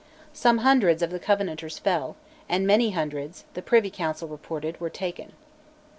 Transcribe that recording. "Some hundreds" of the Covenanters fell, and "many hundreds," the Privy Council reported, were taken.